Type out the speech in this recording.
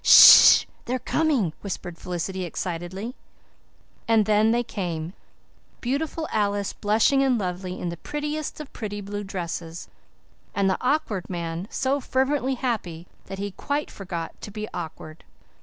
"S s h s s h they're coming," whispered Felicity excitedly. And then they came Beautiful Alice blushing and lovely, in the prettiest of pretty blue dresses, and the Awkward Man, so fervently happy that he quite forgot to be awkward.